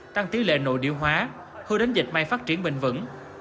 tăng tỷ lệ nội điệu hóa hưu đến dệt may phát triển bình vẩn